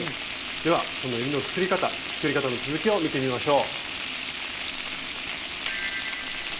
ではそのえりの作り方作り方の続きを見てみましょう。